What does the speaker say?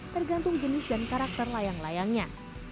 tergantung jenis dan karakter layang layangnya